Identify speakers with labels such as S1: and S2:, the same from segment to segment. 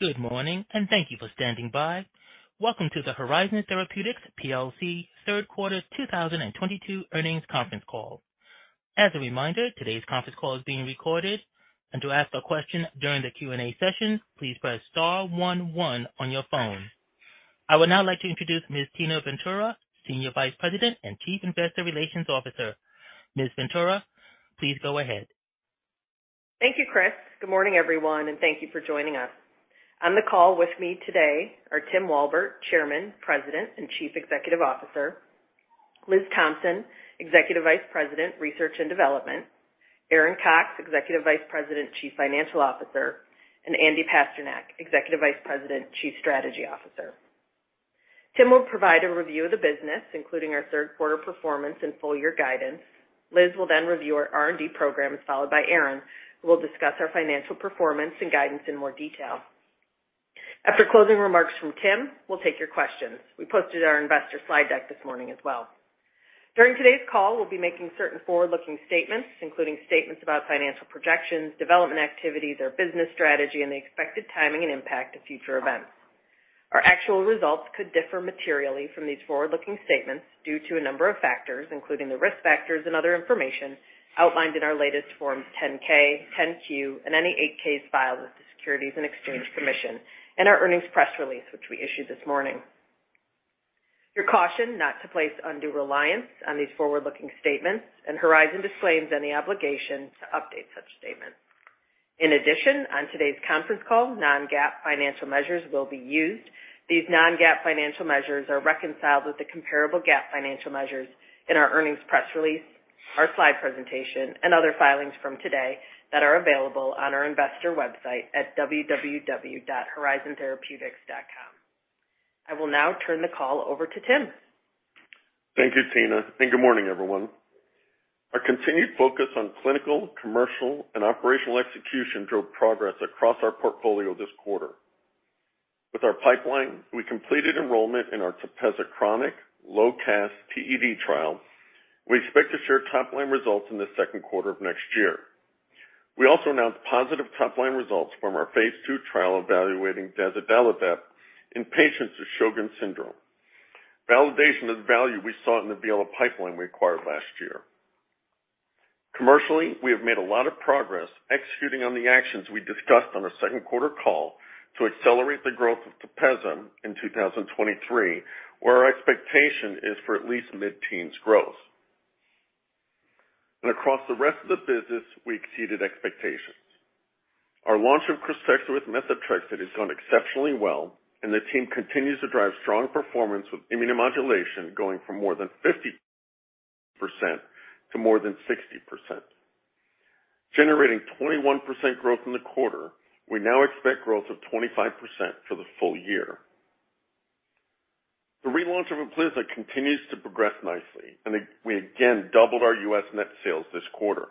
S1: Good morning, and thank you for standing by. Welcome to the Horizon Therapeutics plc Q3 2022 earnings conference call. As a reminder, today's conference call is being recorded. To ask a question during the Q&A session, please press star one one on your phone. I would now like to introduce Ms. Tina Ventura, Senior Vice President and Chief Investor Relations Officer. Ms. Ventura, please go ahead.
S2: Thank you, Chris. Good morning, everyone, and thank you for joining us. On the call with me today are Tim Walbert, Chairman, President, and Chief Executive Officer. Liz Thompson, Executive Vice President, Research and Development. Aaron Cox, Executive Vice President, Chief Financial Officer, and Andy Pasternak, Executive Vice President, Chief Strategy Officer. Tim will provide a review of the business, including our Q3 performance and full year guidance. Liz will then review our R&D program, followed by Aaron, who will discuss our financial performance and guidance in more detail. After closing remarks from Tim, we'll take your questions. We posted our investor slide deck this morning as well. During today's call, we'll be making certain forward-looking statements, including statements about financial projections, development activities, our business strategy, and the expected timing and impact of future events. Our actual results could differ materially from these forward-looking statements due to a number of factors, including the risk factors and other information outlined in our latest Form 10-K, Form 10-Q, and any Form 8-K filed with the Securities and Exchange Commission, and our earnings press release, which we issued this morning. You're cautioned not to place undue reliance on these forward-looking statements, and Horizon disclaims any obligation to update such statements. In addition, on today's conference call, non-GAAP financial measures will be used. These non-GAAP financial measures are reconciled with the comparable GAAP financial measures in our earnings press release, our slide presentation, and other filings from today that are available on our investor website at www.horizontherapeutics.com. I will now turn the call over to Tim.
S3: Thank you, Tina, and good morning, everyone. Our continued focus on clinical, commercial, and operational execution drove progress across our portfolio this quarter. With our pipeline, we completed enrollment in our TEPEZZA chronic low-dose TED trial. We expect to share top-line results in the Q2 of next year. We also announced positive top-line results from our phase 2 trial evaluating DAZODALIBEP in patients with Sjögren's syndrome. Validation of the value we saw in the Viela pipeline we acquired last year. Commercially, we have made a lot of progress executing on the actions we discussed on our Q2 call to accelerate the growth of TEPEZZA in 2023, where our expectation is for at least mid-teens growth. Across the rest of the business, we exceeded expectations. Our launch of KRYSTEXXA with methotrexate has gone exceptionally well, and the team continues to drive strong performance with immunomodulation going from more than 50% to more than 60%. Generating 21% growth in the quarter, we now expect growth of 25% for the full year. The relaunch of UPLIZNA continues to progress nicely, and we again doubled our U.S. net sales this quarter.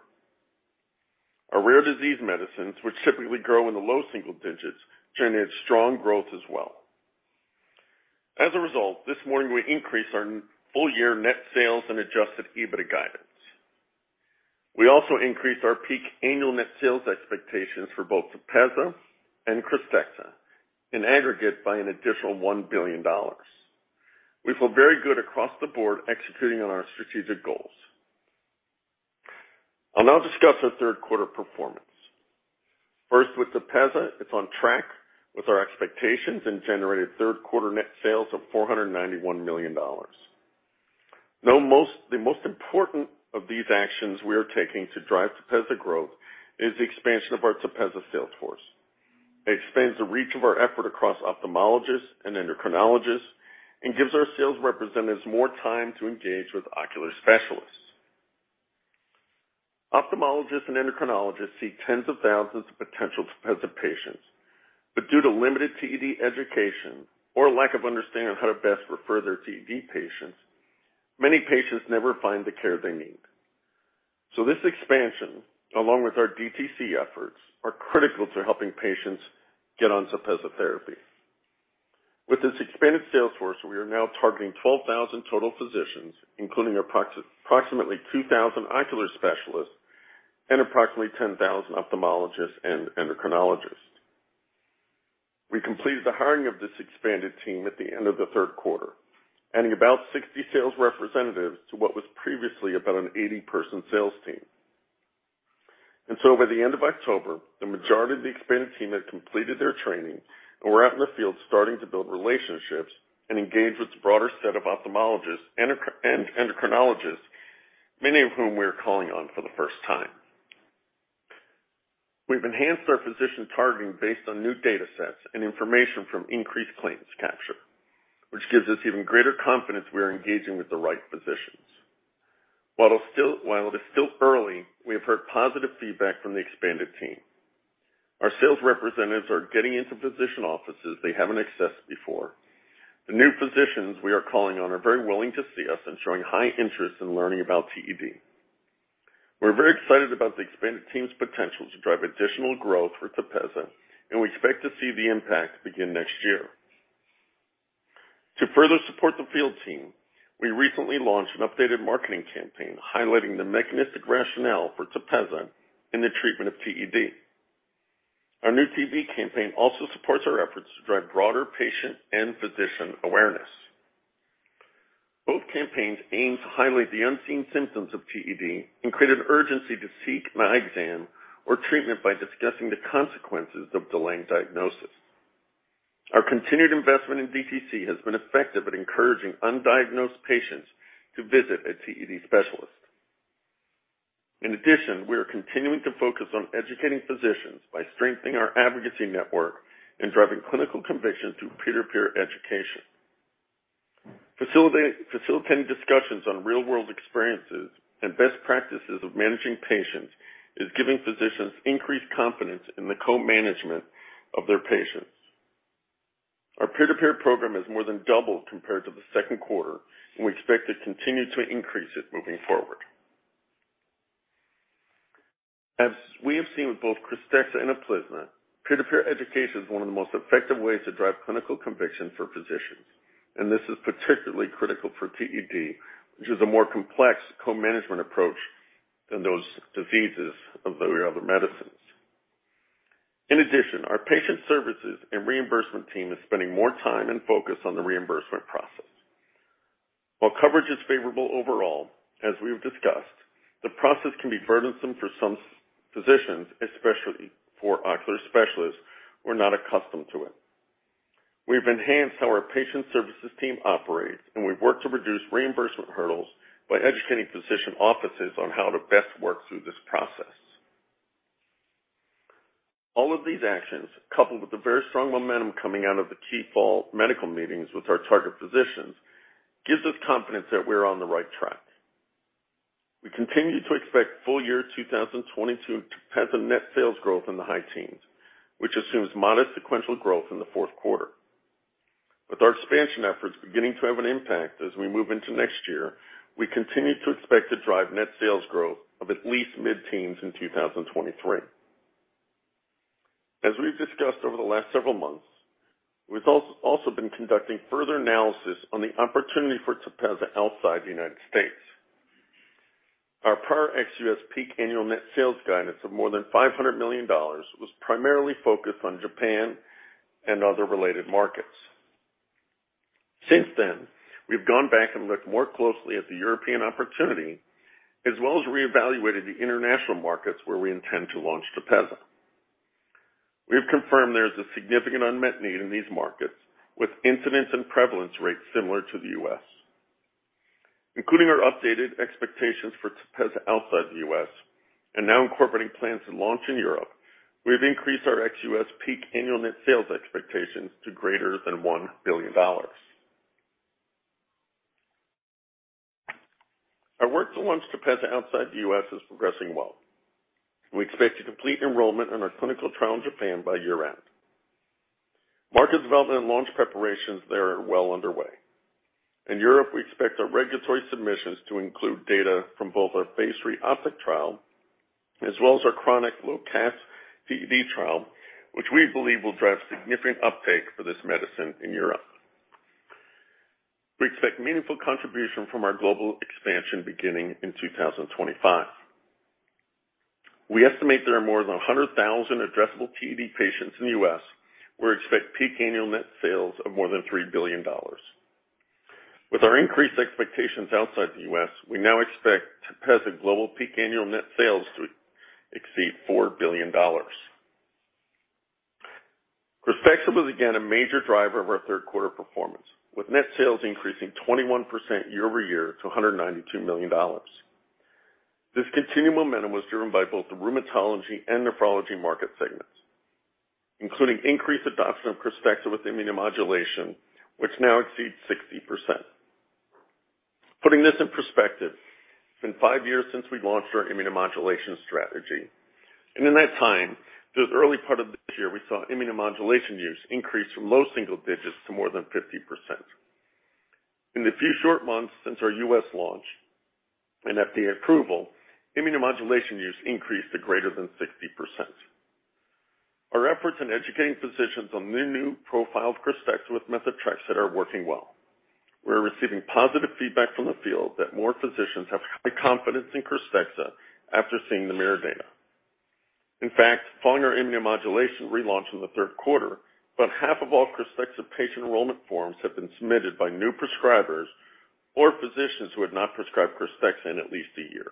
S3: Our rare disease medicines, which typically grow in the low single digits, generate strong growth as well. As a result, this morning we increased our full year net sales and adjusted EBITDA guidance. We also increased our peak annual net sales expectations for both TEPEZZA and KRYSTEXXA in aggregate by an additional $1 billion. We feel very good across the board executing on our strategic goals. I'll now discuss our Q3 performance. First, with TEPEZZA, it's on track with our expectations and generated Q3 net sales of $491 million. The most important of these actions we are taking to drive TEPEZZA growth is the expansion of our TEPEZZA sales force. It expands the reach of our effort across ophthalmologists and endocrinologists and gives our sales representatives more time to engage with ocular specialists. Ophthalmologists and endocrinologists see tens of thousands of potential TEPEZZA patients, but due to limited TED education or lack of understanding on how to best refer their TED patients, many patients never find the care they need. This expansion, along with our DTC efforts, are critical to helping patients get on TEPEZZA therapy. With this expanded sales force, we are now targeting 12,000 total physicians, including approximately 2,000 ocular specialists and approximately 10,000 ophthalmologists and endocrinologists. We completed the hiring of this expanded team at the end of the Q3, adding about 60 sales representatives to what was previously about an 80-person sales team. By the end of October, the majority of the expanded team had completed their training and were out in the field starting to build relationships and engage with the broader set of ophthalmologists and endocrinologists, many of whom we are calling on for the first time. We've enhanced our physician targeting based on new data sets and information from increased claims capture, which gives us even greater confidence we are engaging with the right physicians. While it is still early, we have heard positive feedback from the expanded team. Our sales representatives are getting into physician offices they haven't accessed before. The new physicians we are calling on are very willing to see us and showing high interest in learning about TED. We're very excited about the expanded team's potential to drive additional growth for TEPEZZA, and we expect to see the impact begin next year. To further support the field team, we recently launched an updated marketing campaign highlighting the mechanistic rationale for TEPEZZA in the treatment of TED. Our new TV campaign also supports our efforts to drive broader patient and physician awareness. Both campaigns aim to highlight the unseen symptoms of TED and create an urgency to seek an eye exam or treatment by discussing the consequences of delaying diagnosis. Our continued investment in DTC has been effective at encouraging undiagnosed patients to visit a TED specialist. In addition, we are continuing to focus on educating physicians by strengthening our advocacy network and driving clinical conviction through peer-to-peer education. Facilitating discussions on real-world experiences and best practices of managing patients is giving physicians increased confidence in the co-management of their patients. Our peer-to-peer program has more than doubled compared to the Q2, and we expect to continue to increase it moving forward. As we have seen with both KRYSTEXXA and UPLIZNA, peer-to-peer education is one of the most effective ways to drive clinical conviction for physicians, and this is particularly critical for TED, which is a more complex co-management approach than those diseases of the other medicines. In addition, our patient services and reimbursement team is spending more time and focus on the reimbursement process. While coverage is favorable overall, as we've discussed, the process can be burdensome for some physicians, especially for ocular specialists who are not accustomed to it. We've enhanced how our patient services team operates, and we've worked to reduce reimbursement hurdles by educating physician offices on how to best work through this process. All of these actions, coupled with the very strong momentum coming out of the key fall medical meetings with our target physicians, gives us confidence that we're on the right track. We continue to expect full year 2022 TEPEZZA net sales growth in the high teens, which assumes modest sequential growth in the Q4. With our expansion efforts beginning to have an impact as we move into next year, we continue to expect to drive net sales growth of at least mid-teens in 2023. As we've discussed over the last several months, we've also been conducting further analysis on the opportunity for TEPEZZA outside the United States. Our prior ex-U.S. peak annual net sales guidance of more than $500 million was primarily focused on Japan and other related markets. Since then, we've gone back and looked more closely at the European opportunity as well as reevaluated the international markets where we intend to launch TEPEZZA. We have confirmed there is a significant unmet need in these markets with incidence and prevalence rates similar to the U.S. Including our updated expectations for TEPEZZA outside the U.S., and now incorporating plans to launch in Europe, we've increased our ex-U.S. peak annual net sales expectations to greater than $1 billion. Our work to launch TEPEZZA outside the U.S. is progressing well. We expect to complete enrollment in our clinical trial in Japan by year-end. Market development and launch preparations there are well underway. In Europe, we expect our regulatory submissions to include data from both our phase 3 OPTIC trial as well as our chronic low CAS TED trial, which we believe will drive significant uptake for this medicine in Europe. We expect meaningful contribution from our global expansion beginning in 2025. We estimate there are more than 100,000 addressable TED patients in the U.S. We expect peak annual net sales of more than $3 billion. With our increased expectations outside the U.S., we now expect TEPEZZA global peak annual net sales to exceed $4 billion. KRYSTEXXA was again a major driver of our Q3 performance, with net sales increasing 21% year-over-year to $192 million. This continued momentum was driven by both the rheumatology and nephrology market segments, including increased adoption of KRYSTEXXA with immunomodulation, which now exceeds 60%. Putting this in perspective, it's been 5 years since we launched our immunomodulation strategy. In that time, this early part of this year, we saw immunomodulation use increase from low single digits to more than 50%. In the few short months since our U.S. launch and FDA approval, immunomodulation use increased to greater than 60%. Our efforts in educating physicians on the new profile of KRYSTEXXA with methotrexate are working well. We're receiving positive feedback from the field that more physicians have high confidence in KRYSTEXXA after seeing the MIRROR data. In fact, following our immunomodulation relaunch in the Q3, about half of all KRYSTEXXA patient enrollment forms have been submitted by new prescribers or physicians who had not prescribed KRYSTEXXA in at least a year.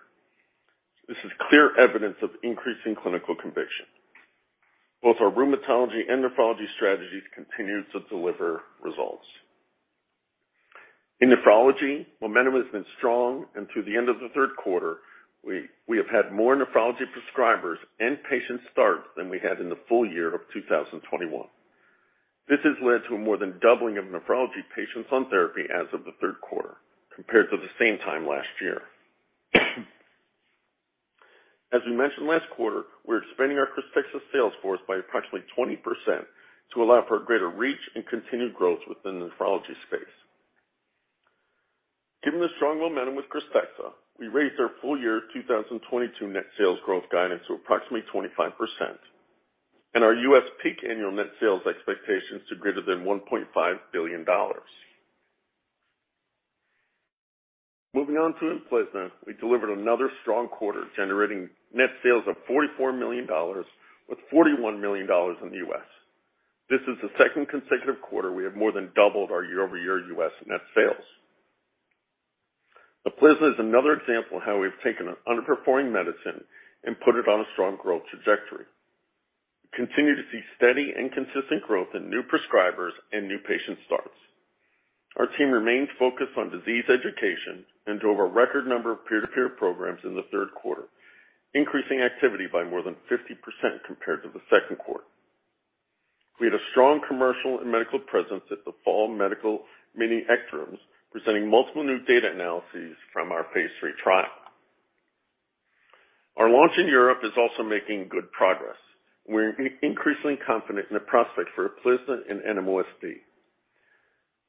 S3: This is clear evidence of increasing clinical conviction. Both our rheumatology and nephrology strategies continued to deliver results. In nephrology, momentum has been strong, and through the end of the Q3, we have had more nephrology prescribers and patients start than we had in the full year of 2021. This has led to more than doubling of nephrology patients on therapy as of the Q3 compared to the same time last year. As we mentioned last quarter, we're expanding our KRYSTEXXA sales force by approximately 20% to allow for greater reach and continued growth within the nephrology space. Given the strong momentum with KRYSTEXXA, we raised our full year 2022 net sales growth guidance to approximately 25% and our US peak annual net sales expectations to greater than $1.5 billion. Moving on to UPLIZNA. We delivered another strong quarter, generating net sales of $44 million, with $41 million in the US. This is the second consecutive quarter we have more than doubled our year-over-year US net sales. UPLIZNA is another example of how we've taken an underperforming medicine and put it on a strong growth trajectory. We continue to see steady and consistent growth in new prescribers and new patient starts. Our team remains focused on disease education and drove a record number of peer-to-peer programs in the Q3, increasing activity by more than 50% compared to the Q2. We had a strong commercial and medical presence at the fall medical mini ECTRIMS, presenting multiple new data analyses from our phase 3 trial. Our launch in Europe is also making good progress. We're increasingly confident in the prospect for UPLIZNA in NMOSD.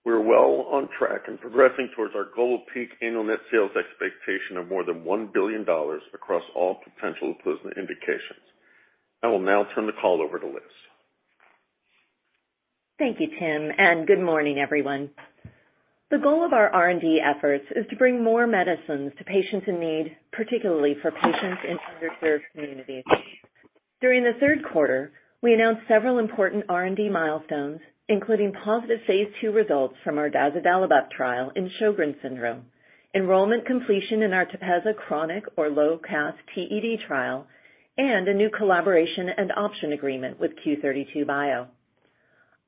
S3: We're well on track and progressing towards our global peak annual net sales expectation of more than $1 billion across all potential UPLIZNA indications. I will now turn the call over to Liz.
S4: Thank you, Tim, and good morning, everyone. The goal of our R&D efforts is to bring more medicines to patients in need, particularly for patients in underserved communities. During the Q3, we announced several important R&D milestones, including positive phase 2 results from our DAZODALIBEP trial in Sjögren's syndrome, enrollment completion in our TEPEZZA chronic or low CAS TED trial, and a new collaboration and option agreement with Q32 Bio.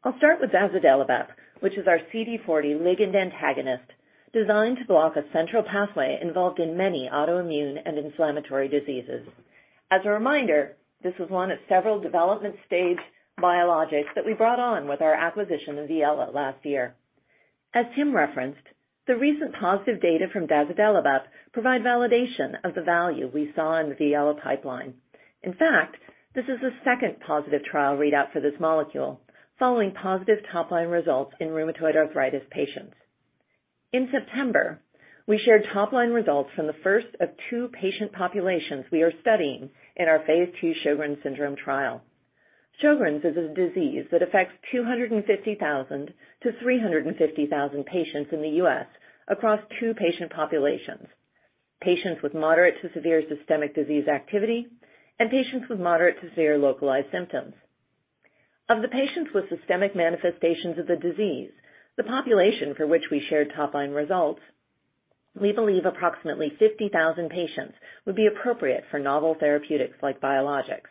S4: I'll start with DAZODALIBEP, which is our CD40 ligand antagonist designed to block a central pathway involved in many autoimmune and inflammatory diseases. As a reminder, this was one of several development stage biologics that we brought on with our acquisition of Viela last year. As Tim referenced, the recent positive data from DAZODALIBEP provide validation of the value we saw in the Viela pipeline. In fact, this is the second positive trial readout for this molecule following positive top-line results in rheumatoid arthritis patients. In September, we shared top-line results from the first of two patient populations we are studying in our phase 2 Sjögren's syndrome trial. Sjögren's is a disease that affects 250,000-350,000 patients in the U.S. across two patient populations, patients with moderate to severe systemic disease activity and patients with moderate to severe localized symptoms. Of the patients with systemic manifestations of the disease, the population for which we shared top-line results, we believe approximately 50,000 patients would be appropriate for novel therapeutics like biologics.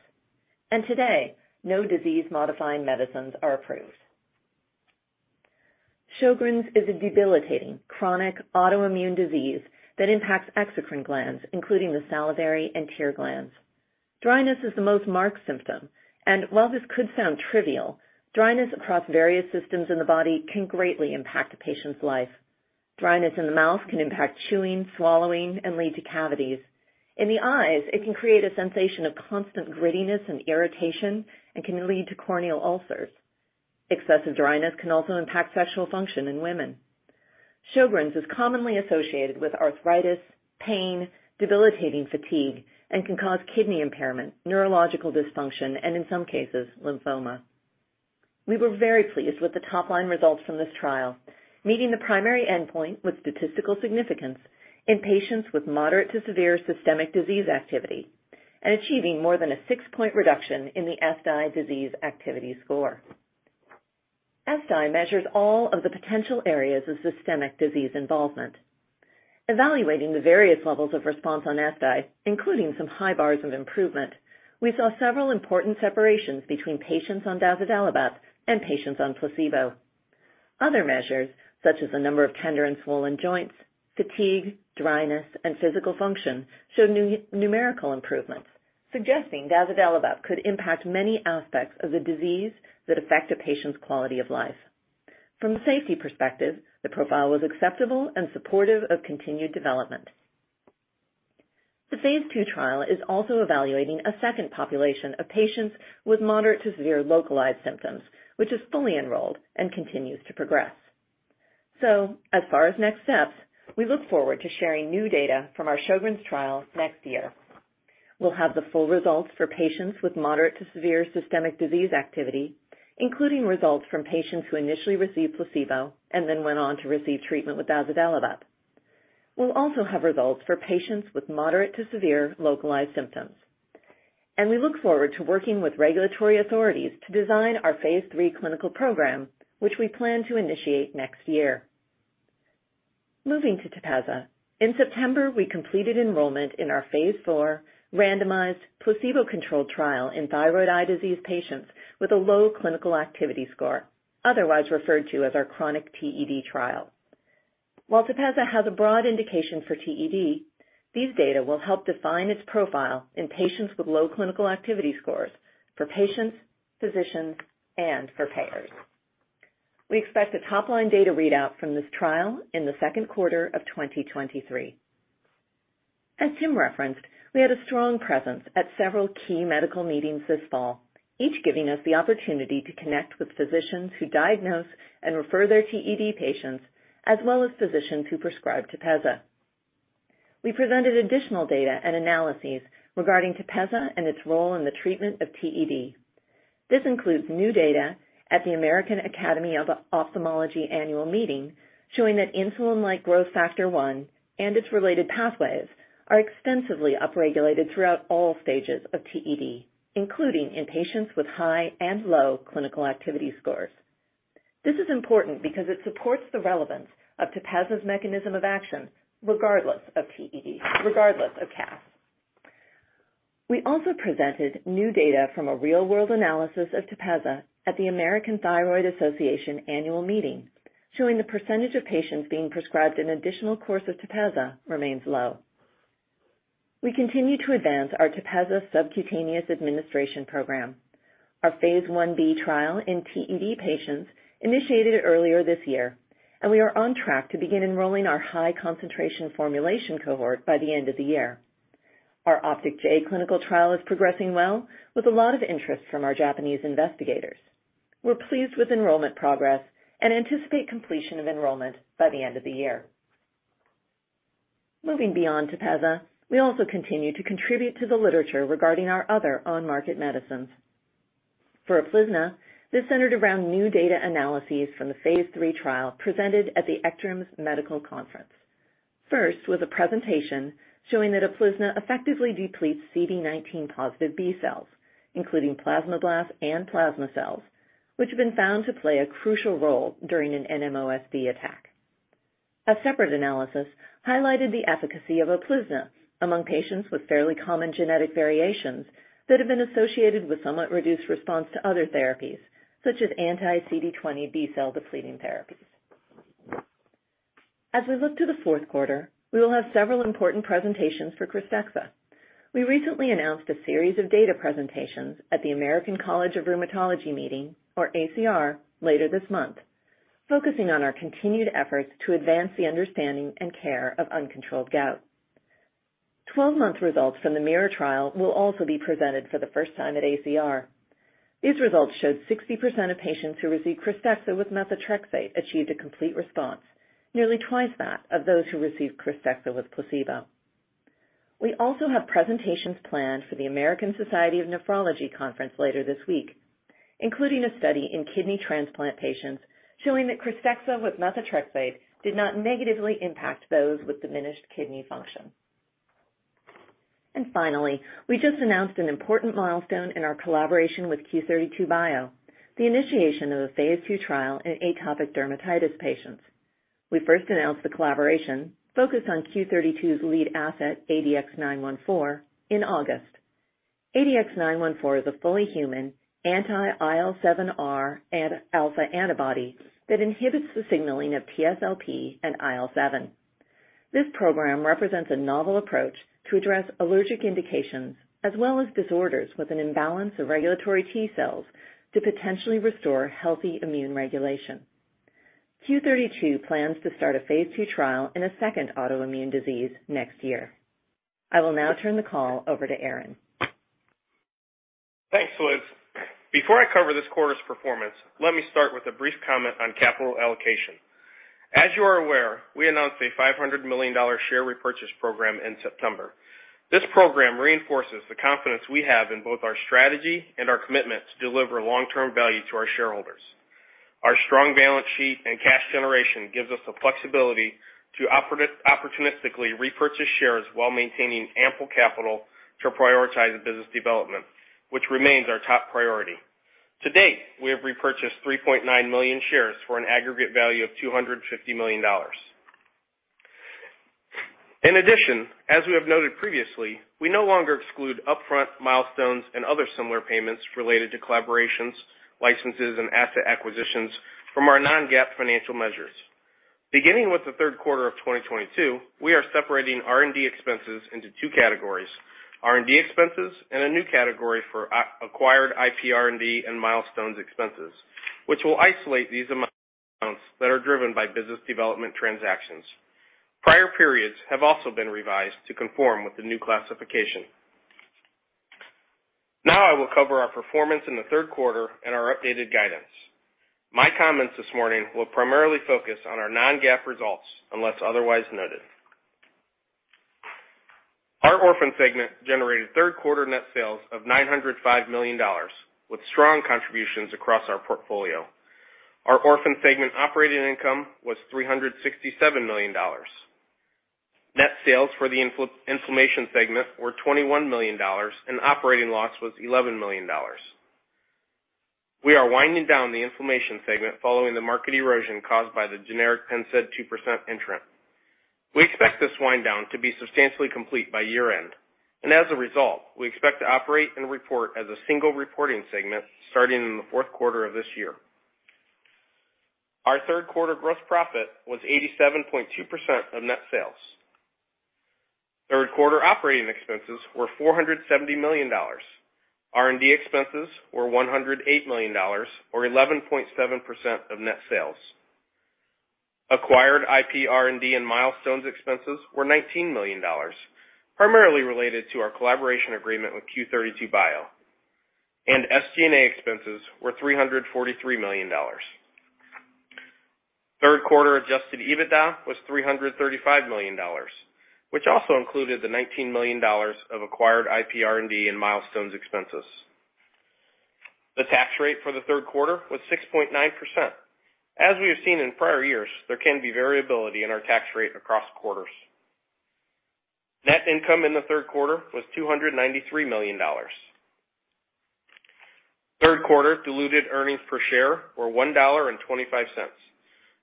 S4: Today, no disease-modifying medicines are approved. Sjögren's is a debilitating chronic autoimmune disease that impacts exocrine glands, including the salivary and tear glands. Dryness is the most marked symptom, and while this could sound trivial, dryness across various systems in the body can greatly impact a patient's life. Dryness in the mouth can impact chewing, swallowing, and lead to cavities. In the eyes, it can create a sensation of constant grittiness and irritation and can lead to corneal ulcers. Excessive dryness can also impact sexual function in women. Sjögren's is commonly associated with arthritis, pain, debilitating fatigue, and can cause kidney impairment, neurological dysfunction, and in some cases, lymphoma. We were very pleased with the top-line results from this trial, meeting the primary endpoint with statistical significance in patients with moderate to severe systemic disease activity and achieving more than a six-point reduction in the ESSDAI disease activity score. ESSDAI measures all of the potential areas of systemic disease involvement. Evaluating the various levels of response on ESSDAI, including some high bars of improvement, we saw several important separations between patients on DAZODALIBEP and patients on placebo. Other measures, such as the number of tender and swollen joints, fatigue, dryness, and physical function, showed numerical improvements, suggesting DAZODALIBEP could impact many aspects of the disease that affect a patient's quality of life. From a safety perspective, the profile was acceptable and supportive of continued development. The phase 2 trial is also evaluating a second population of patients with moderate to severe localized symptoms, which is fully enrolled and continues to progress. As far as next steps, we look forward to sharing new data from our Sjögren's trial next year. We'll have the full results for patients with moderate to severe systemic disease activity, including results from patients who initially received placebo and then went on to receive treatment with DAZODALIBEP. We'll also have results for patients with moderate to severe localized symptoms. We look forward to working with regulatory authorities to design our phase 3 clinical program, which we plan to initiate next year. Moving to TEPEZZA. In September, we completed enrollment in our phase 4 randomized placebo-controlled trial in thyroid eye disease patients with a low clinical activity score, otherwise referred to as our chronic TED trial. While TEPEZZA has a broad indication for TED, these data will help define its profile in patients with low clinical activity scores for patients, physicians, and for payers. We expect a top-line data readout from this trial in the Q2 of 2023. As Tim referenced, we had a strong presence at several key medical meetings this fall, each giving us the opportunity to connect with physicians who diagnose and refer their TED patients, as well as physicians who prescribe TEPEZZA. We presented additional data and analyses regarding TEPEZZA and its role in the treatment of TED. This includes new data at the American Academy of Ophthalmology annual meeting, showing that insulin-like growth factor 1 and its related pathways are extensively upregulated throughout all stages of TED, including in patients with high and low clinical activity scores. This is important because it supports the relevance of TEPEZZA's mechanism of action regardless of TED, regardless of CAS. We also presented new data from a real-world analysis of TEPEZZA at the American Thyroid Association annual meeting, showing the percentage of patients being prescribed an additional course of TEPEZZA remains low. We continue to advance our TEPEZZA subcutaneous administration program. Our phase 1b trial in TED patients initiated earlier this year, and we are on track to begin enrolling our high concentration formulation cohort by the end of the year. Our OPTIC-J clinical trial is progressing well with a lot of interest from our Japanese investigators. We're pleased with enrollment progress and anticipate completion of enrollment by the end of the year. Moving beyond TEPEZZA, we also continue to contribute to the literature regarding our other on-market medicines. For UPLIZNA, this centered around new data analyses from the phase 3 trial presented at the ECTRIMS medical conference. First was a presentation showing that UPLIZNA effectively depletes CD19-positive B cells, including plasmablasts and plasma cells, which have been found to play a crucial role during an NMOSD attack. A separate analysis highlighted the efficacy of UPLIZNA among patients with fairly common genetic variations that have been associated with somewhat reduced response to other therapies such as anti-CD20 B cell depleting therapies. As we look to the Q4, we will have several important presentations for KRYSTEXXA. We recently announced a series of data presentations at the American College of Rheumatology meeting, or ACR, later this month, focusing on our continued efforts to advance the understanding and care of uncontrolled gout. 12-month results from the MIRROR trial will also be presented for the first time at ACR. These results showed 60% of patients who received KRYSTEXXA with methotrexate achieved a complete response, nearly twice that of those who received KRYSTEXXA with placebo. We also have presentations planned for the American Society of Nephrology conference later this week, including a study in kidney transplant patients showing that KRYSTEXXA with methotrexate did not negatively impact those with diminished kidney function. Finally, we just announced an important milestone in our collaboration with Q32 Bio, the initiation of a phase two trial in atopic dermatitis patients. We first announced the collaboration focused on Q32 Bio's lead asset, ADX-914 in August. ADX-914 is a fully human anti-IL-7Rα antibody that inhibits the signaling of TSLP and IL-7. This program represents a novel approach to address allergic indications as well as disorders with an imbalance of regulatory T cells to potentially restore healthy immune regulation. Q32 plans to start a phase 2 trial in a second autoimmune disease next year. I will now turn the call over to Aaron.
S5: Thanks, Liz. Before I cover this quarter's performance, let me start with a brief comment on capital allocation. As you are aware, we announced a $500 million share repurchase program in September. This program reinforces the confidence we have in both our strategy and our commitment to deliver long-term value to our shareholders. Our strong balance sheet and cash generation gives us the flexibility to opportunistically repurchase shares while maintaining ample capital to prioritize business development, which remains our top priority. To date, we have repurchased 3.9 million shares for an aggregate value of $250 million. In addition, as we have noted previously, we no longer exclude upfront milestones and other similar payments related to collaborations, licenses, and asset acquisitions from our non-GAAP financial measures. Beginning with the Q3 of 2022, we are separating R&D expenses into two categories, R&D expenses and a new category for acquired IP R&D and milestones expenses, which will isolate these amounts that are driven by business development transactions. Prior periods have also been revised to conform with the new classification. Now I will cover our performance in the Q3 and our updated guidance. My comments this morning will primarily focus on our non-GAAP results unless otherwise noted. Our orphan segment generated Q3 net sales of $905 million, with strong contributions across our portfolio. Our orphan segment operating income was $367 million. Net sales for the inflammation segment were $21 million, and operating loss was $11 million. We are winding down the inflammation segment following the market erosion caused by the generic PENNSAID 2% entry. We expect this wind down to be substantially complete by year-end. As a result, we expect to operate and report as a single reporting segment starting in the Q4 of this year. Our Q3 gross profit was 87.2% of net sales. Q3 operating expenses were $470 million. R&D expenses were $108 million or 11.7% of net sales. Acquired IP R&D and milestones expenses were $19 million, primarily related to our collaboration agreement with Q32 Bio. SG&A expenses were $343 million. Q3 adjusted EBITDA was $335 million, which also included the $19 million of acquired IP R&D and milestones expenses. The tax rate for the Q3 was 6.9%. As we have seen in prior years, there can be variability in our tax rate across quarters. Net income in the Q3 was $293 million. Q3 diluted earnings per share were $1.25.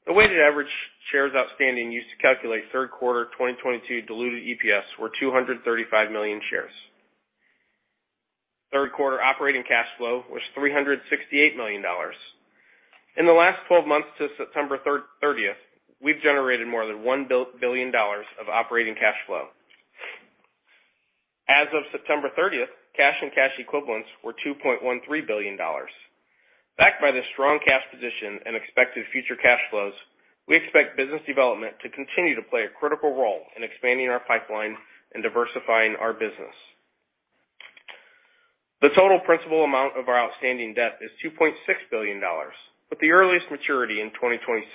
S5: The weighted average shares outstanding used to calculate Q3 2022 diluted EPS were 235 million shares. Q3 operating cash flow was $368 million. In the last 12 months to September 30, we've generated more than $1 billion of operating cash flow. As of September 30, cash and cash equivalents were $2.13 billion. Backed by the strong cash position and expected future cash flows, we expect business development to continue to play a critical role in expanding our pipeline and diversifying our business. The total principal amount of our outstanding debt is $2.6 billion, with the earliest maturity in 2026.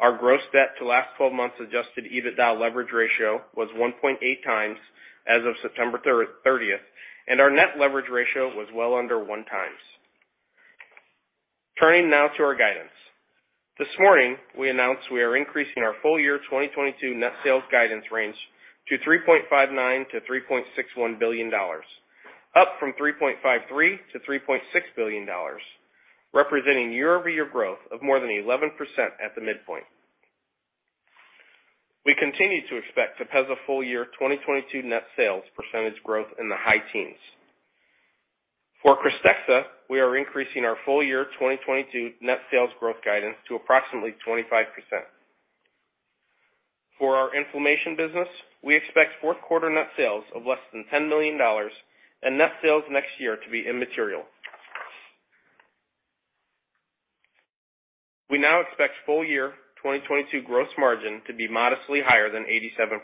S5: Our gross debt to last twelve months adjusted EBITDA leverage ratio was 1.8 times as of September 30th, and our net leverage ratio was well under one times. Turning now to our guidance. This morning, we announced we are increasing our full year 2022 net sales guidance range to $3.59-$3.61 billion, up from $3.53-$3.6 billion, representing year-over-year growth of more than 11% at the midpoint. We continue to expect TEPEZZA full year 2022 net sales percentage growth in the high teens. For KRYSTEXXA, we are increasing our full year 2022 net sales growth guidance to approximately 25%. For our inflammation business, we expect Q4 net sales of less than $10 million and net sales next year to be immaterial. We now expect full year 2022 gross margin to be modestly higher than 87%.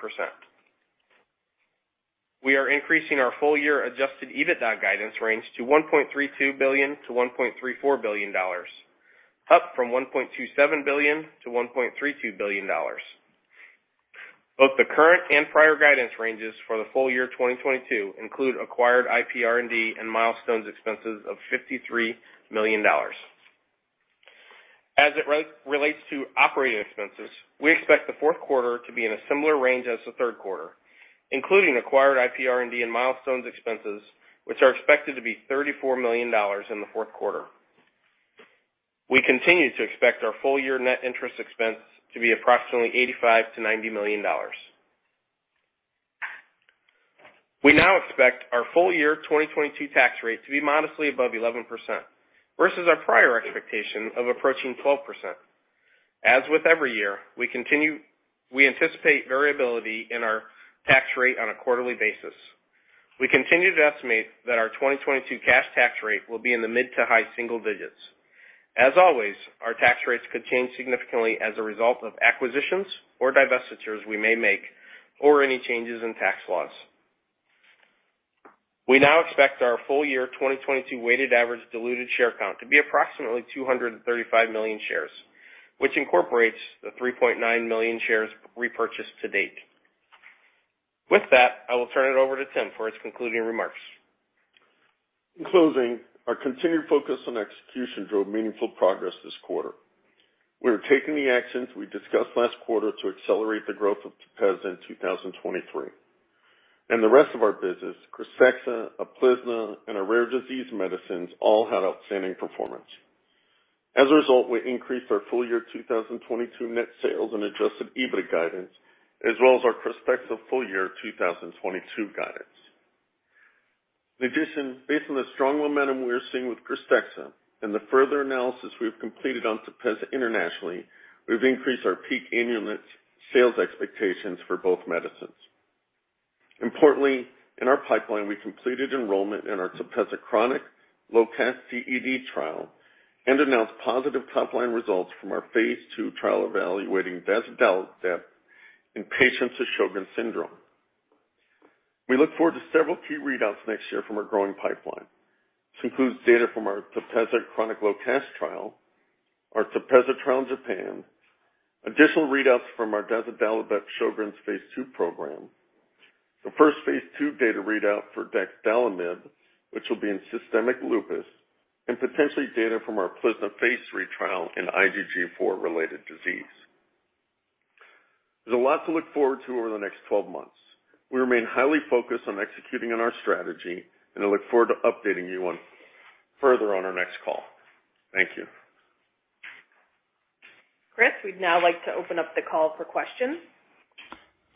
S5: We are increasing our full year adjusted EBITDA guidance range to $1.32 billion-$1.34 billion, up from $1.27 billion-$1.32 billion. Both the current and prior guidance ranges for the full year 2022 include acquired IP R&D and milestones expenses of $53 million. As it relates to operating expenses, we expect the Q4 to be in a similar range as the Q3, including acquired IP R&D and milestones expenses, which are expected to be $34 million in the Q4. We continue to expect our full year net interest expense to be approximately $85 million-$90 million. We now expect our full year 2022 tax rate to be modestly above 11% versus our prior expectation of approaching 12%. As with every year, we anticipate variability in our tax rate on a quarterly basis. We continue to estimate that our 2022 cash tax rate will be in the mid- to high-single digits. As always, our tax rates could change significantly as a result of acquisitions or divestitures we may make or any changes in tax laws. We now expect our full year 2022 weighted average diluted share count to be approximately 235 million shares, which incorporates the 3.9 million shares repurchased to date. With that, I will turn it over to Tim for his concluding remarks.
S3: In closing, our continued focus on execution drove meaningful progress this quarter. We are taking the actions we discussed last quarter to accelerate the growth of TEPEZZA in 2023. The rest of our business, KRYSTEXXA, UPLIZNA, and our rare disease medicines all had outstanding performance. As a result, we increased our full year 2022 net sales and adjusted EBITDA guidance, as well as our KRYSTEXXA full year 2022 guidance. In addition, based on the strong momentum we are seeing with KRYSTEXXA and the further analysis we've completed on TEPEZZA internationally, we've increased our peak annual net sales expectations for both medicines. Importantly, in our pipeline, we completed enrollment in our TEPEZZA Chronic Low CAS TED trial and announced positive top-line results from our phase 2 trial evaluating DAZODALIBEP in patients with Sjögren's syndrome. We look forward to several key readouts next year from our growing pipeline. This includes data from our TEPEZZA Chronic Low CAS trial, our TEPEZZA trial in Japan, additional readouts from our DAZODALIBEP Sjögren's phase 2 program, the first phase 2 data readout for ADX-914, which will be in systemic lupus, and potentially data from our UPLIZNA phase 3 trial in IgG4 related disease. There's a lot to look forward to over the next twelve months. We remain highly focused on executing on our strategy, and I look forward to updating you further on our next call. Thank you.
S2: Chris, we'd now like to open up the call for questions.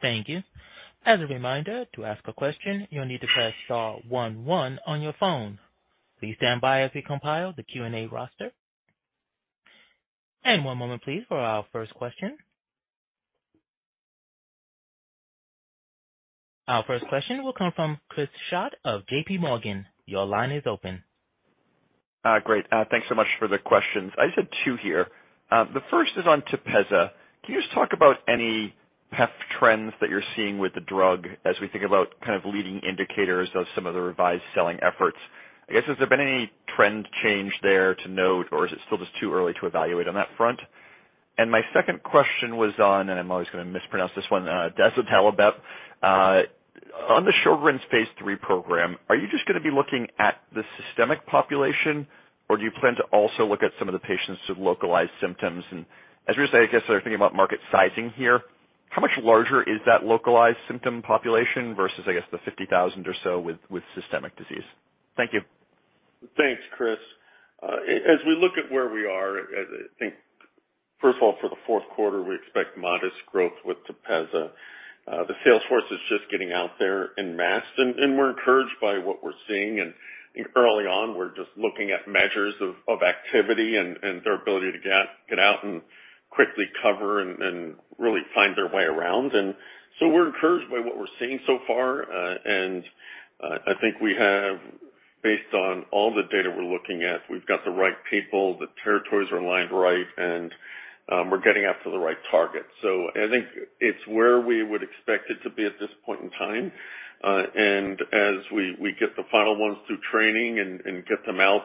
S1: Thank you. As a reminder, to ask a question, you'll need to press star one one on your phone. Please stand by as we compile the Q&A roster. One moment please for our first question. Our first question will come from Chris Schott of JPMorgan. Your line is open.
S6: Great. Thanks so much for the questions. I just have 2 here. The first is on TEPEZZA. Can you just talk about any payer trends that you're seeing with the drug as we think about kind of leading indicators of some of the revised selling efforts? I guess, has there been any trend change there to note, or is it still just too early to evaluate on that front? My second question was on, and I'm always gonna mispronounce this one, DAZODALIBEP. On the Sjögren's phase 3 program, are you just gonna be looking at the systemic population, or do you plan to also look at some of the patients with localized symptoms? And as we say, I guess they're thinking about market sizing here. How much larger is that localized symptom population versus, I guess the 50,000 or so with systemic disease? Thank you.
S3: Thanks, Chris. As we look at where we are, I think first of all, for the Q4, we expect modest growth with TEPEZZA. The sales force is just getting out there en masse and we're encouraged by what we're seeing. Early on, we're just looking at measures of activity and their ability to get out and quickly cover and really find their way around. We're encouraged by what we're seeing so far, and I think we have based on all the data we're looking at, we've got the right people, the territories are aligned right, and we're getting after the right target. I think it's where we would expect it to be at this point in time. As we get the final ones through training and get them out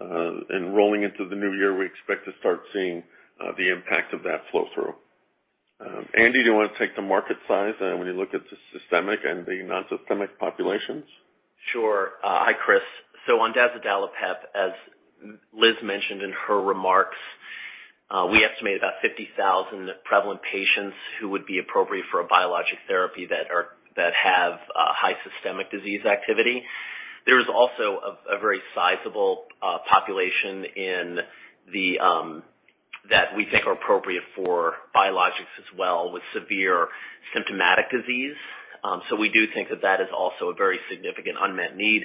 S3: and rolling into the new year, we expect to start seeing the impact of that flow through. Andy, do you wanna take the market size when you look at the systemic and the non-systemic populations?
S7: Sure. Hi, Chris. On DAZODALIBEP, as Liz mentioned in her remarks, we estimate about 50,000 prevalent patients who would be appropriate for a biologic therapy that have high systemic disease activity. There is also a very sizable population that we think are appropriate for biologics as well, with severe symptomatic disease. We do think that is also a very significant unmet need.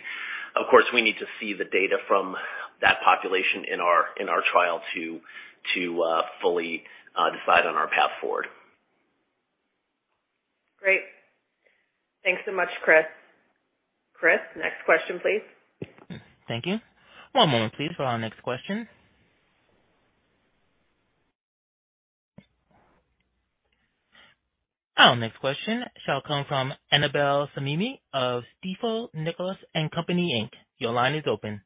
S7: Of course, we need to see the data from that population in our trial to fully decide on our path forward.
S2: Great. Thanks so much, Chris. Chris, next question, please.
S1: Thank you. One moment please for our next question. Our next question shall come from Annabel Samimy of Stifel, Nicolaus & Co., Inc. Your line is open.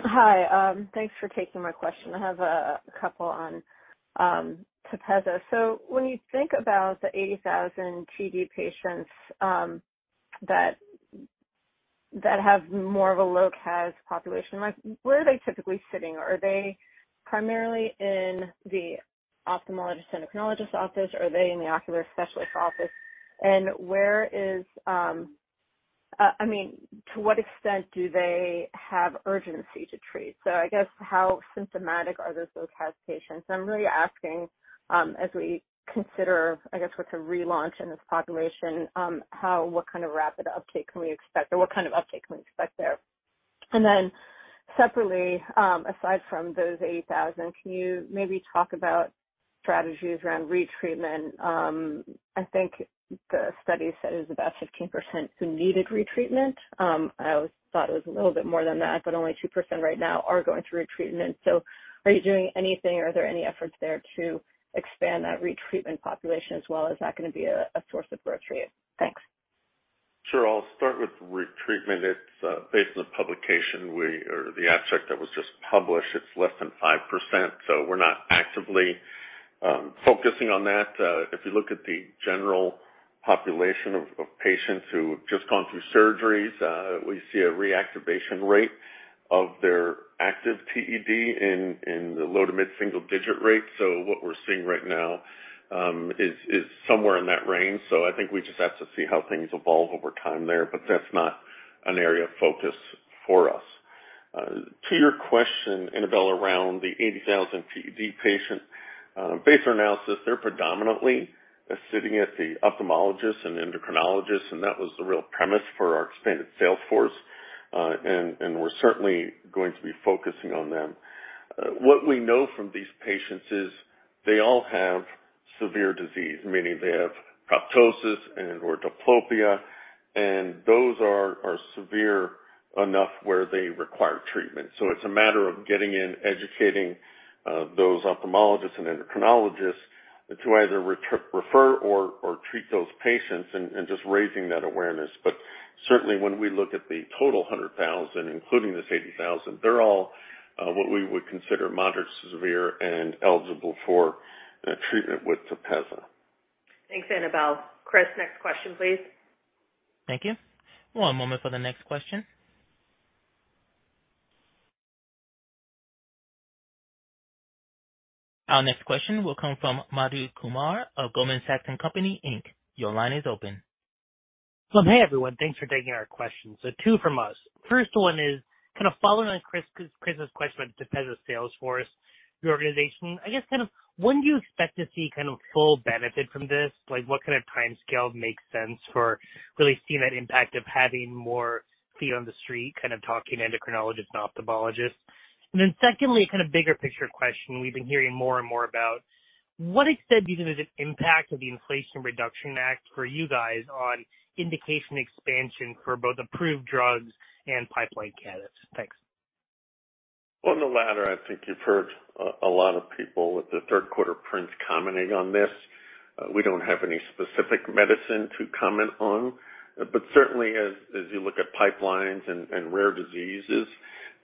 S8: Hi. Thanks for taking my question. I have a couple on TEPEZZA. When you think about the 80,000 TED patients that have more of a low CAS population, like where are they typically sitting? Are they primarily in the ophthalmologist endocrinologist office, or are they in the ocular specialist office? Where is, I mean, to what extent do they have urgency to treat? I guess how symptomatic are those low CAS patients? I'm really asking as we consider, I guess, what to relaunch in this population, what kind of rapid uptake can we expect or what kind of uptake can we expect there? Then separately, aside from those 80,000, can you maybe talk about strategies around retreatment? I think the study said it was about 15% who needed retreatment. I thought it was a little bit more than that, but only 2% right now are going through retreatment. Are you doing anything or are there any efforts there to expand that retreatment population as well? Is that gonna be a source of growth for you? Thanks.
S3: Sure. I'll start with retreatment. It's based on the publication or the abstract that was just published, it's less than 5%, so we're not actively focusing on that. If you look at the general population of patients who have just gone through surgeries, we see a reactivation rate of their active TED in the low to mid single digit rate. What we're seeing right now is somewhere in that range. I think we just have to see how things evolve over time there. That's not an area of focus for us. To your question, Annabel, around the 80,000 TED patient. Based on analysis, they're predominantly sitting at the ophthalmologist and endocrinologist, and that was the real premise for our expanded sales force. And we're certainly going to be focusing on them. What we know from these patients is they all have severe disease, meaning they have proptosis and/or diplopia, and those are severe enough where they require treatment. It's a matter of getting in, educating those ophthalmologists and endocrinologists to either refer or treat those patients and just raising that awareness. Certainly when we look at the total 100,000, including this 80,000, they're all what we would consider moderate, severe and eligible for treatment with TEPEZZA.
S2: Thanks, Annabel. Chris, next question please.
S1: Thank you. One moment for the next question. Our next question will come from Madhu Kumar of Goldman Sachs & Co. Inc. Your line is open.
S9: Hey, everyone. Thanks for taking our questions. Two from us. First one is kind of following on Chris's question about TEPEZZA sales force, your organization. I guess kind of when do you expect to see kind of full benefit from this? Like what kind of timescale makes sense for really seen that impact of having more feet on the street, kind of talking endocrinologists and ophthalmologists. Then secondly, kind of bigger picture question we've been hearing more and more about. What extent do you think there's an impact of the Inflation Reduction Act for you guys on indication expansion for both approved drugs and pipeline candidates? Thanks.
S3: On the latter, I think you've heard a lot of people with the Q3 prints commenting on this. We don't have any specific medicine to comment on. Certainly as you look at pipelines and rare diseases,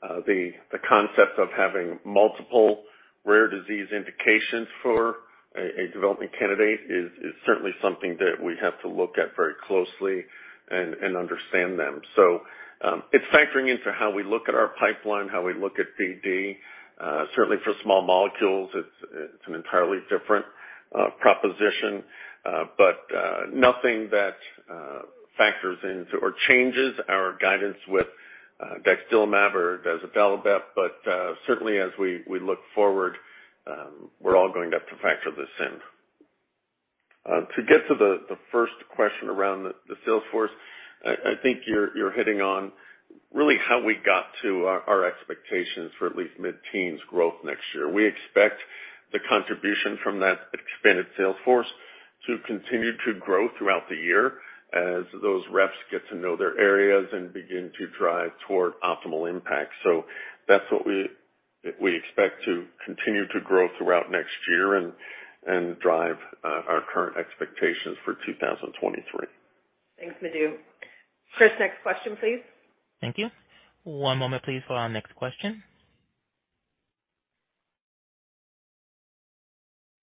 S3: the concept of having multiple rare disease indications for a development candidate is certainly something that we have to look at very closely and understand them. It's factoring into how we look at our pipeline, how we look at BD. Certainly for small molecules, it's an entirely different proposition. Nothing that factors into or changes our guidance with DAXDILIMAB or DAZODALIBEP. Certainly as we look forward, we're all going to have to factor this in. To get to the first question around the sales force, I think you're hitting on really how we got to our expectations for at least mid-teens growth next year. We expect the contribution from that expanded sales force to continue to grow throughout the year as those reps get to know their areas and begin to drive toward optimal impact. That's what we expect to continue to grow throughout next year and drive our current expectations for 2023.
S2: Thanks, Madhu. Chris, next question, please.
S1: Thank you. One moment please for our next question.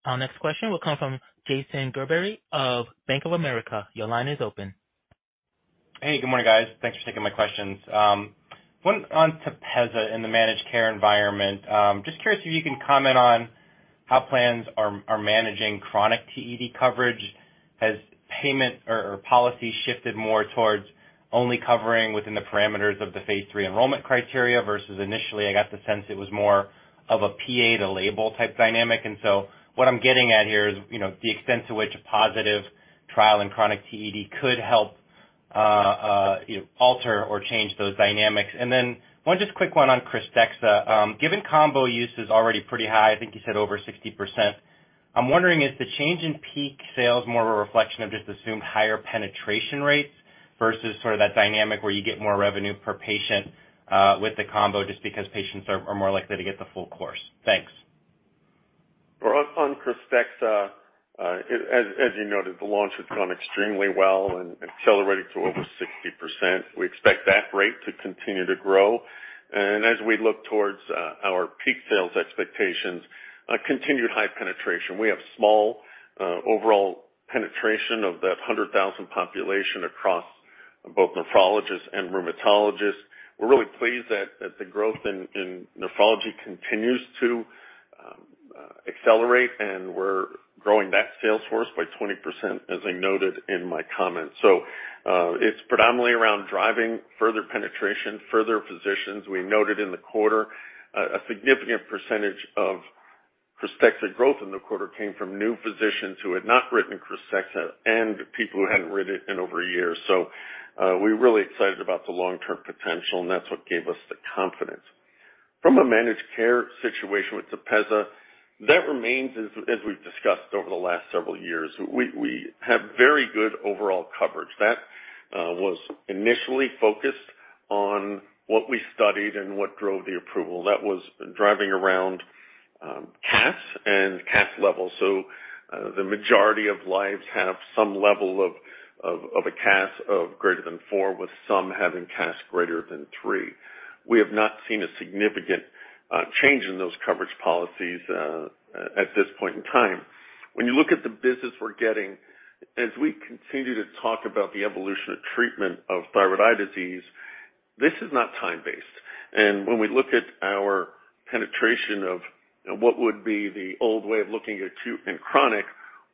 S1: Our next question will come from Jason Gerberry of Bank of America. Your line is open.
S10: Hey, good morning, guys. Thanks for taking my questions. One on TEPEZZA in the managed care environment. Just curious if you can comment on how plans are managing chronic TED coverage. Has payment or policy shifted more towards only covering within the parameters of the phase 3 enrollment criteria versus initially I got the sense it was more of a PA to label type dynamic. What I'm getting at here is, you know, the extent to which a positive trial in chronic TED could help alter or change those dynamics. One just quick one on KRYSTEXXA. Given combo use is already pretty high, I think you said over 60%. I'm wondering is the change in peak sales more of a reflection of just assumed higher penetration rates versus sort of that dynamic where you get more revenue per patient, with the combo just because patients are more likely to get the full course? Thanks.
S3: On KRYSTEXXA, as you noted, the launch has gone extremely well and accelerating to over 60%. We expect that rate to continue to grow. As we look towards our peak sales expectations, continued high penetration. We have small overall penetration of that 100,000 population across both nephrologists and rheumatologists. We're really pleased that the growth in nephrology continues to accelerate, and we're growing that sales force by 20%, as I noted in my comments. It's predominantly around driving further penetration, further physicians. We noted in the quarter a significant percentage of KRYSTEXXA growth in the quarter came from new physicians who had not written KRYSTEXXA and people who hadn't written it in over a year. We're really excited about the long-term potential, and that's what gave us the confidence. From a managed care situation with TEPEZZA, that remains as we've discussed over the last several years. We have very good overall coverage. That was initially focused on what we studied and what drove the approval. That was driving around CAS levels. The majority of lives have some level of a CAS of greater than four, with some having CAS greater than three. We have not seen a significant change in those coverage policies at this point in time. When you look at the business we're getting, as we continue to talk about the evolution of treatment of thyroid eye disease, this is not time-based. When we look at our penetration of what would be the old way of looking at acute and chronic,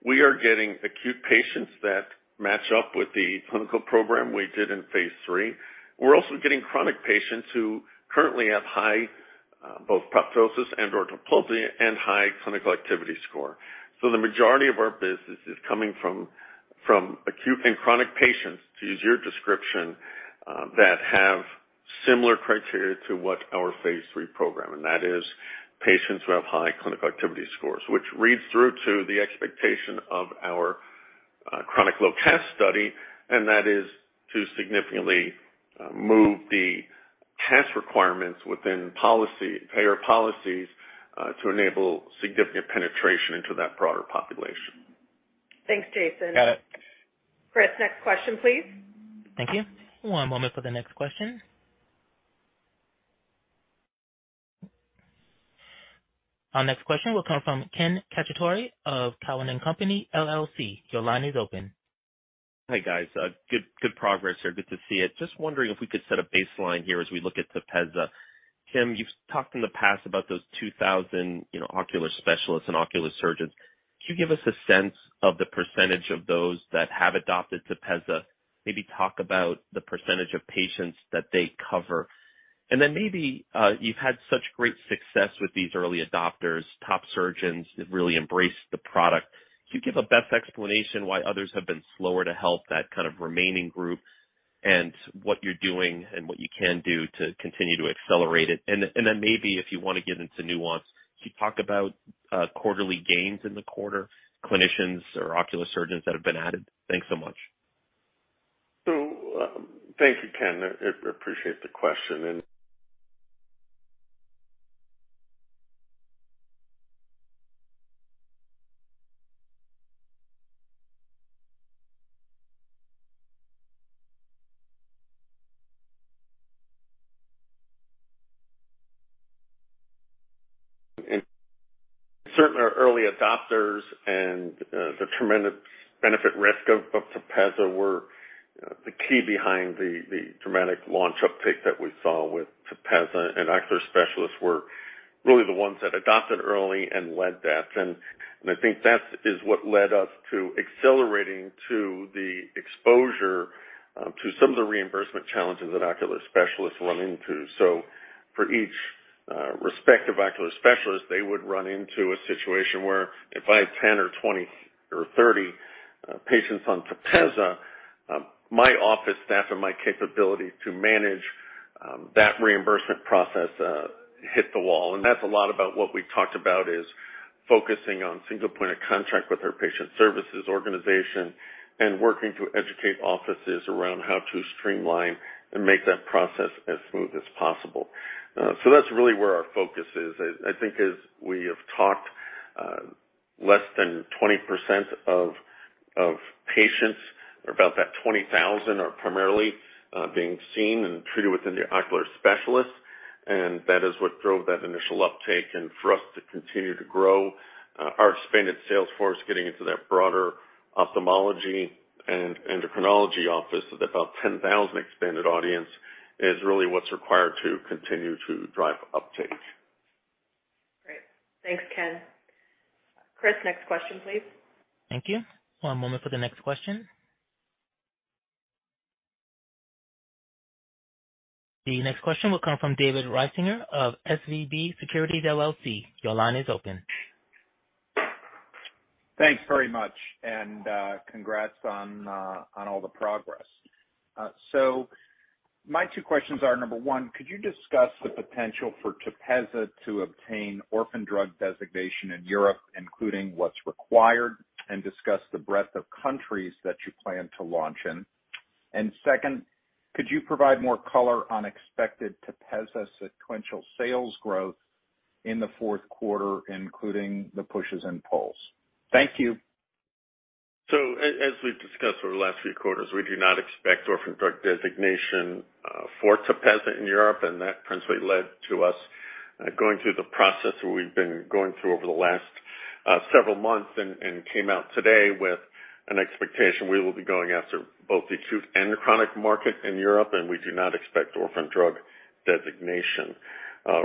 S3: we are getting acute patients that match up with the clinical program we did in phase 3. We're also getting chronic patients who currently have high, both proptosis and/or diplopia and high clinical activity score. The majority of our business is coming from acute and chronic patients, to use your description, that have similar criteria to what our phase 3 program. That is patients who have high clinical activity scores, which reads through to the expectation of our chronic low CAS study, and that is to significantly move the CAS requirements within policy, payer policies, to enable significant penetration into that broader population.
S2: Thanks, Jason.
S10: Got it.
S2: Chris, next question, please.
S1: Thank you. One moment for the next question. Our next question will come from Ken Cacciatore of Cowen and Company, LLC. Your line is open.
S11: Hi, guys. Good progress there. Good to see it. Just wondering if we could set a baseline here as we look at TEPEZZA. Tim, you've talked in the past about those 2,000, you know, ocular specialists and ocular surgeons. Could you give us a sense of the percentage of those that have adopted TEPEZZA? Maybe talk about the percentage of patients that they cover. Then maybe you've had such great success with these early adopters, top surgeons that really embrace the product. Could you give the best explanation why others have been slower to adopt that kind of remaining group and what you're doing and what you can do to continue to accelerate it? Then maybe if you wanna get into nuance, could you talk about quarterly gains in the quarter, clinicians or ocular surgeons that have been added? Thanks so much.
S3: Thank you, Ken. I appreciate the question. Certainly our early adopters and the tremendous benefit risk of TEPEZZA were the key behind the dramatic launch uptake that we saw with TEPEZZA. Ocular specialists were really the ones that adopted early and led that. I think that is what led us to accelerating to the exposure to some of the reimbursement challenges that ocular specialists run into. For each respective ocular specialist, they would run into a situation where if I have 10 or 20 or 30 patients on TEPEZZA, my office staff or my capability to manage that reimbursement process hit the wall. That's a lot about what we talked about, is focusing on single point of contract with our patient services organization and working to educate offices around how to streamline and make that process as smooth as possible. That's really where our focus is. I think as we have talked, less than 20% of patients, or about that 20,000 are primarily being seen and treated within the ocular specialists. That is what drove that initial uptake. For us to continue to grow, our expanded sales force, getting into that broader ophthalmology and endocrinology office of about 10,000 expanded audience is really what's required to continue to drive uptake.
S2: Great. Thanks, Ken. Chris, next question, please.
S1: Thank you. One moment for the next question. The next question will come from David Risinger of SVB Securities LLC. Your line is open.
S12: Thanks very much and, congrats on all the progress. My two questions are, number one, could you discuss the potential for TEPEZZA to obtain orphan drug designation in Europe, including what's required, and discuss the breadth of countries that you plan to launch in? Second, could you provide more color on expected TEPEZZA sequential sales growth in the Q4, including the pushes and pulls? Thank you.
S3: As we've discussed over the last few quarters, we do not expect orphan drug designation for TEPEZZA in Europe. That principally led to us going through the process where we've been going through over the last several months and came out today with an expectation we will be going after both the acute and chronic market in Europe, and we do not expect orphan drug designation.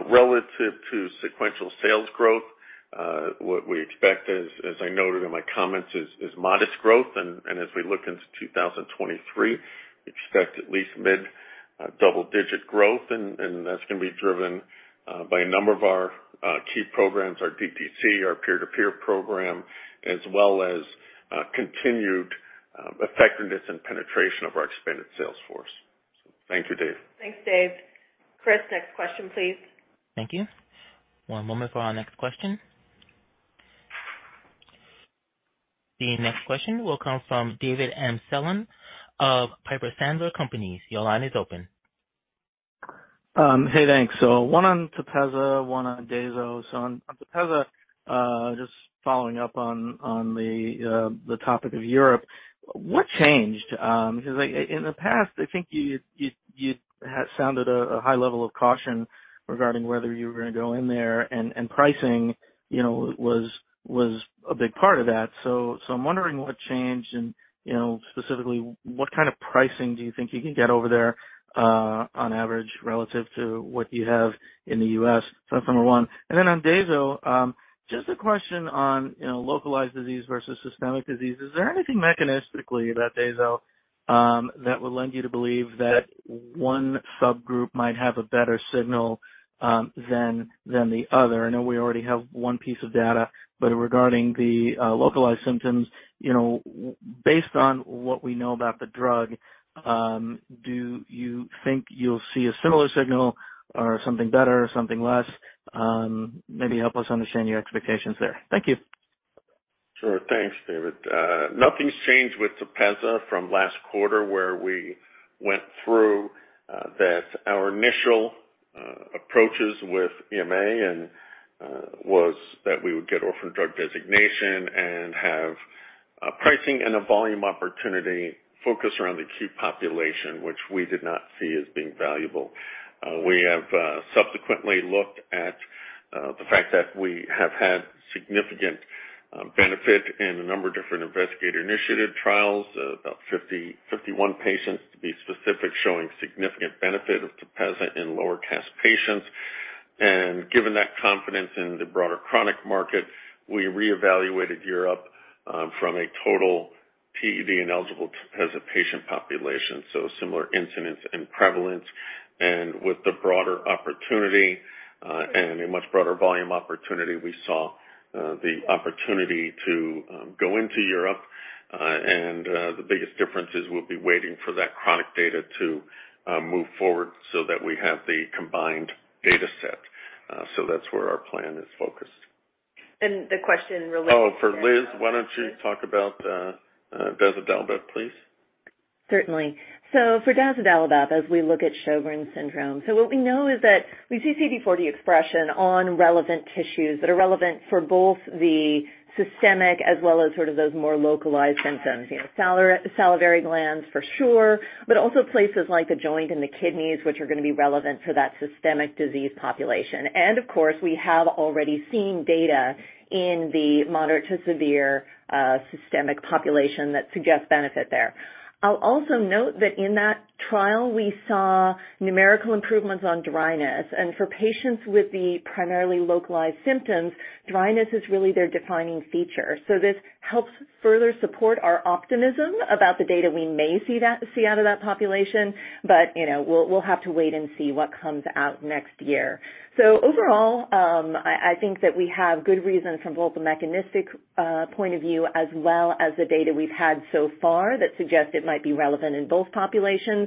S3: Relative to sequential sales growth, what we expect, as I noted in my comments, is modest growth. As we look into 2023, we expect at least mid-double-digit growth, and that's gonna be driven by a number of our key programs, our DTC, our peer-to-peer program, as well as continued effectiveness and penetration of our expanded sales force. Thank you, Dave.
S2: Thanks, Dave. Chris, next question, please.
S1: Thank you. One moment for our next question. The next question will come from David Amsellem of Piper Sandler Companies. Your line is open.
S13: Hey, thanks. One on TEPEZZA, one on DAZODALIBEP. On TEPEZZA, just following up on the topic of Europe, what changed? 'Cause, like, in the past, I think you had sounded a high level of caution regarding whether you were gonna go in there and pricing, you know, was a big part of that. I'm wondering what changed and, you know, specifically, what kind of pricing do you think you can get over there, on average relative to what you have in the U.S.? That's number one. On DAZODALIBEP, just a question on, you know, localized disease versus systemic disease. Is there anything mechanistically about DAZODALIBEP that would lend you to believe that one subgroup might have a better signal than the other? I know we already have one piece of data, but regarding the localized symptoms, you know, based on what we know about the drug, do you think you'll see a similar signal or something better or something less? Maybe help us understand your expectations there. Thank you.
S3: Sure. Thanks, David. Nothing's changed with TEPEZZA from last quarter where we went through that our initial approaches with EMA was that we would get orphan drug designation and have a pricing and a volume opportunity focused around the key population, which we did not see as being valuable. We have subsequently looked at the fact that we have had significant benefit in a number of different investigator-initiated trials, about 50, 51 patients to be specific, showing significant benefit of TEPEZZA in lower CAS patients. Given that confidence in the broader chronic market, we reevaluated Europe from a total TED and eligible as a patient population, so similar incidence and prevalence. With the broader opportunity and a much broader volume opportunity, we saw the opportunity to go into Europe. The biggest difference is we'll be waiting for that chronic data to move forward so that we have the combined data set. That's where our plan is focused.
S2: The question related.
S3: Oh, for Liz. Why don't you talk about DAZODALIBEP, please?
S4: Certainly. For DAZODALIBEP, as we look at Sjögren's syndrome. What we know is that we see CD40 expression on relevant tissues that are relevant for both the systemic as well as sort of those more localized symptoms. You know, salivary glands for sure, but also places like the joint and the kidneys, which are gonna be relevant for that systemic disease population. Of course, we have already seen data in the moderate to severe systemic population that suggests benefit there. I'll also note that in that trial we saw numerical improvements on dryness. For patients with the primarily localized symptoms, dryness is really their defining feature. This helps further support our optimism about the data we may see out of that population, but, you know, we'll have to wait and see what comes out next year. Overall, I think that we have good reasons from both a mechanistic point of view as well as the data we've had so far that suggests it might be relevant in both populations.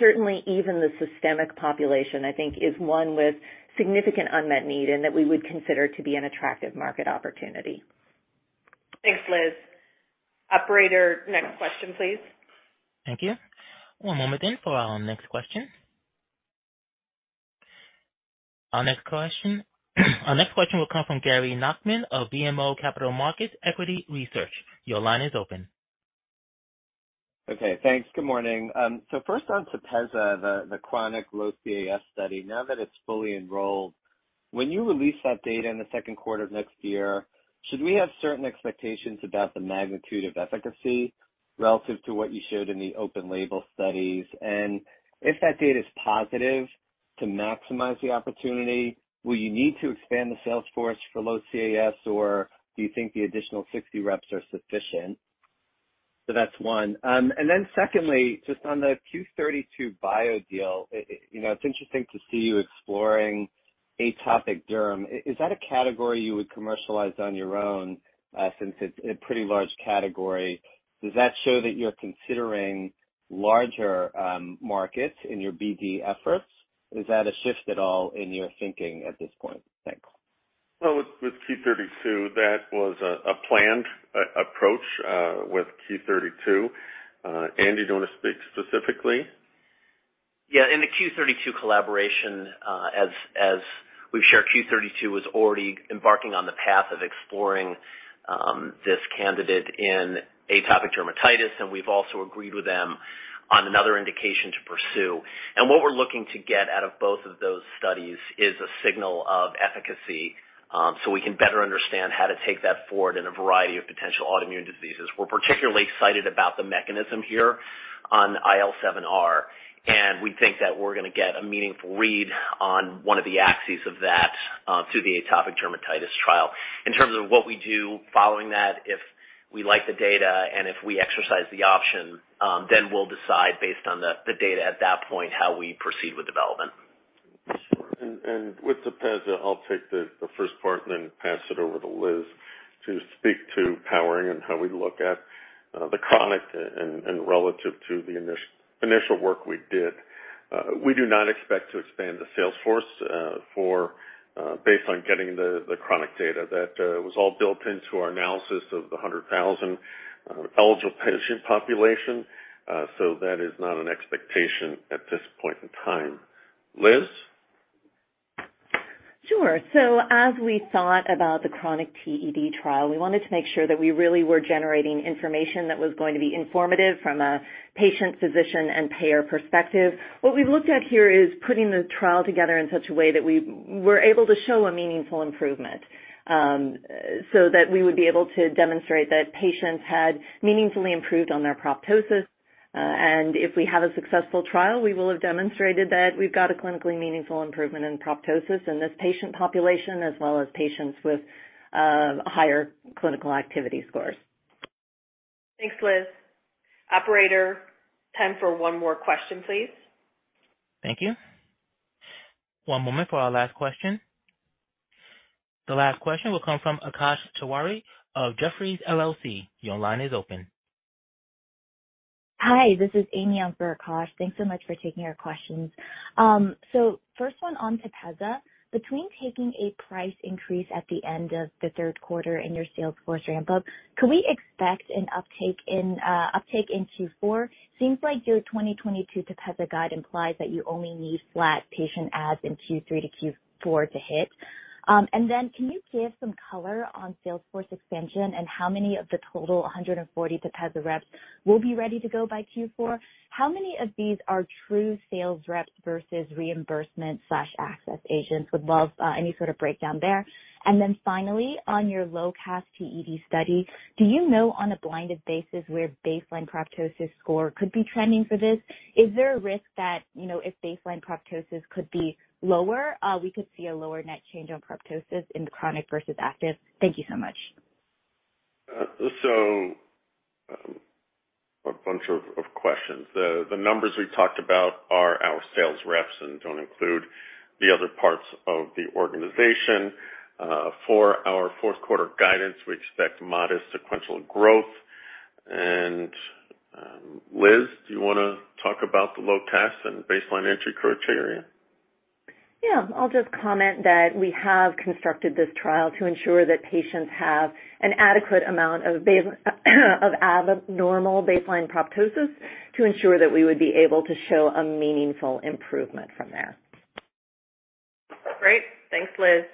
S4: Certainly even the systemic population, I think, is one with significant unmet need and that we would consider to be an attractive market opportunity.
S2: Thanks, Liz. Operator, next question, please.
S1: Thank you. One moment then for our next question. Our next question will come from Gary Nachman of BMO Capital Markets Equity Research. Your line is open.
S14: Okay, thanks. Good morning. First on TEPEZZA, the chronic low CAS study. Now that it's fully enrolled, when you release that data in the Q2 of next year, should we have certain expectations about the magnitude of efficacy relative to what you showed in the open label studies? And if that data is positive, to maximize the opportunity, will you need to expand the sales force for low CAS, or do you think the additional 60 reps are sufficient? That's one. Secondly, just on the Q32 Bio deal. It, you know, it's interesting to see you exploring atopic derm. Is that a category you would commercialize on your own, since it's a pretty large category? Does that show that you're considering larger markets in your BD efforts? Is that a shift at all in your thinking at this point? Thanks.
S3: Well, with Q32, that was a planned approach with Q32. Andy, do you wanna speak specifically?
S7: Yeah. In the Q32 collaboration, as we've shared, Q32 was already embarking on the path of exploring this candidate in atopic dermatitis, and we've also agreed with them on another indication to pursue. What we're looking to get out of both of those studies is a signal of efficacy, so we can better understand how to take that forward in a variety of potential autoimmune diseases. We're particularly excited about the mechanism here on IL-7R, and we think that we're gonna get a meaningful read on one of the axes of that through the atopic dermatitis trial. In terms of what we do following that, if we like the data and if we exercise the option, then we'll decide based on the data at that point how we proceed with development.
S3: Sure. With TEPEZZA, I'll take the first part and then pass it over to Liz to speak to pricing and how we look at the chronic and relative to the initial work we did. We do not expect to expand the sales force based on getting the chronic data. That was all built into our analysis of the 100,000 eligible patient population. So that is not an expectation at this point in time. Liz.
S4: Sure. As we thought about the chronic TED trial, we wanted to make sure that we really were generating information that was going to be informative from a patient, physician, and payer perspective. What we've looked at here is putting the trial together in such a way that we were able to show a meaningful improvement that we would be able to demonstrate that patients had meaningfully improved on their proptosis. If we have a successful trial, we will have demonstrated that we've got a clinically meaningful improvement in proptosis in this patient population, as well as patients with higher clinical activity scores.
S2: Thanks, Liz. Operator, time for one more question, please.
S1: Thank you. One moment for our last question. The last question will come from Akash Tewari of Jefferies LLC. Your line is open.
S15: Hi, this is Amy on for Akash. Thanks so much for taking our questions. First one on TEPEZZA. Between taking a price increase at the end of the Q3 in your sales force ramp up, can we expect an uptake in Q4? Seems like your 2022 TEPEZZA guide implies that you only need flat patient adds in Q3 to Q4 to hit. Can you give some color on sales force expansion and how many of the total 140 TEPEZZA reps will be ready to go by Q4? How many of these are true sales reps versus reimbursement slash access agents? Would love any sort of breakdown there. Finally, on your low CAS TED study, do you know on a blinded basis where baseline proptosis score could be trending for this? Is there a risk that, you know, if baseline proptosis could be lower, we could see a lower net change on proptosis in the chronic versus active? Thank you so much.
S3: A bunch of questions. The numbers we talked about are our sales reps and don't include the other parts of the organization. For our Q4 guidance, we expect modest sequential growth. Liz, do you wanna talk about the low CAS and baseline entry criteria?
S4: Yeah. I'll just comment that we have constructed this trial to ensure that patients have an adequate amount of abnormal baseline proptosis to ensure that we would be able to show a meaningful improvement from there.
S2: Great. Thanks, Liz.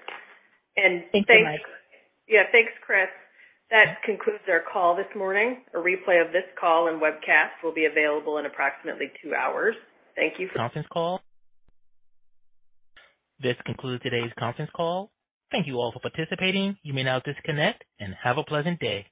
S15: Thanks, Mike.
S2: Yeah, thanks, Chris. That concludes our call this morning. A replay of this call and webcast will be available in approximately 2 hours. Thank you for-
S1: Conference call. This concludes today's conference call. Thank you all for participating. You may now disconnect and have a pleasant day.